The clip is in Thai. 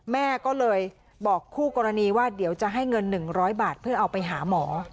แม่ก็เลยบอกคู่กรณีว่าเดี๋ยวจะให้เงิน๑๐๐บาทเพื่อเอาไปหาหมอ